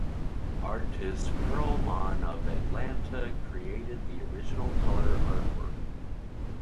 Artist Pearl Mann of Atlanta created the original color artwork.